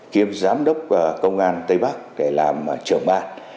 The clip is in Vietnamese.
kiêm giám đốc công an tây bắc để làm trưởng ban